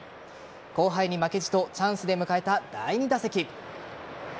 後輩に負けじとチャンスで迎えた第２打席。